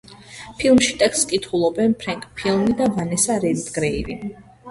ფილმში ტექსტს კითხულობენ ფრენკ ფინლი და ვანესა რედგრეივი.